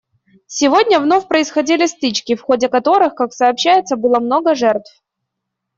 Сегодня вновь происходили стычки, в ходе которых, как сообщается, было много жертв.